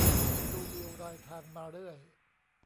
ดูวิวรายทางมาเรื่อย